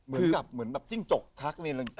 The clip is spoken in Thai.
เหมือนกับทิ้งจกทักใช่ไหม